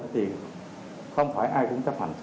thì không phải ai cũng chấp hành